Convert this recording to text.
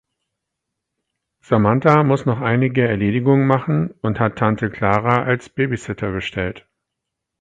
Samantha muss noch einige Erledigungen machen und hat Tante Clara als Babysitter bestellt.